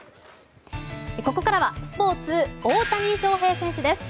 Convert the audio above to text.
ここからはスポーツ大谷翔平選手です。